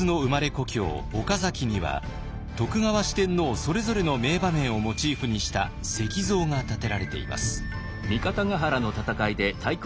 故郷岡崎には徳川四天王それぞれの名場面をモチーフにした石像が建てられています。